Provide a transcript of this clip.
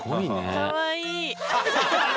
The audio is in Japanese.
かわいい。